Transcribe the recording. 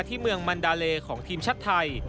ที่เมืองมันดาเลของทีมชาติไทย